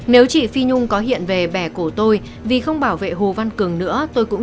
nếu chị phi nhung có hiện về bè cổ tôi vì không bảo vệ hồ văn cường nữa